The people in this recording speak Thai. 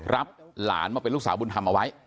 รับหลานมาเป็นลูกสาวบุญธรรมเอาไว้